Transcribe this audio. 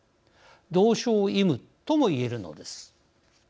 同床異夢とも言えるのです。